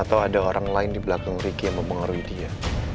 atau ada orang lain di belakang ricky yang mempengaruhi dia